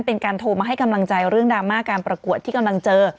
เป็นการโทรมาให้กำลังใจเรื่องดราม่าการประกวดที่กำลังเจอ